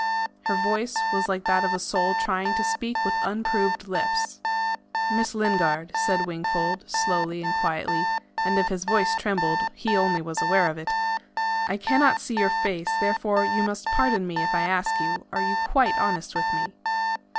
Her voice was like that of a soul trying to speak with unproved lips. "Miss Lingard," said Wingfold, slowly and quietly and if his voice trembled, he only was aware of it, "I cannot see your face, therefore you must pardon me if I ask you are you quite honest with me?"